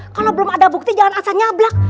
kalau belum ada bukti jangan asal nyablak